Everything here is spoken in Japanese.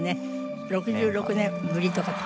６６年ぶりとかって。